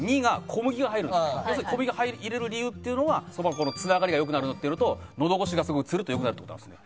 小麦を入れる理由っていうのはそば粉のつながりが良くなるっていうのとのど越しがすごいつるっと良くなるって事なんですね。